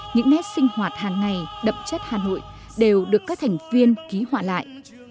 những nét sinh hoạt hàng ngày đậm chất hà nội đều được các thành viên ký họa lại